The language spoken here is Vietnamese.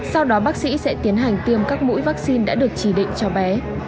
sau đó bác sĩ sẽ tiến hành tiêm các mũi vaccine đã được chỉ định cho bé